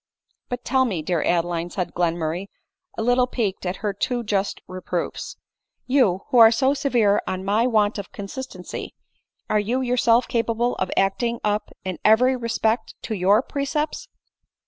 " But tell me, dear Adeline," said Glenmurray, a little piqued at her too just reproofs, " you, who are so severe on my want of consistency, are you yourself capable of acting up in every respect to your precepts